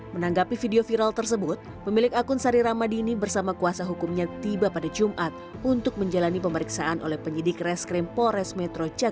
menanggapi video viral tersebut pemilik akun sari ramadini bersama kuasa hukumnya tiba pada jumat untuk menjalani pemeriksaan oleh penyidik reskrim polres metro jaya